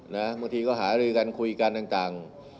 บางทีก็หารือกันคุยกันต่าง